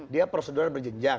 dia prosedur yang berjenjang